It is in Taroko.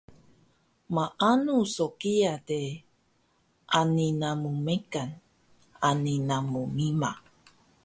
Maanu so kiya de ani namu mekan ani namu mimah